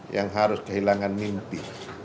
yang harus kehilangan mimpi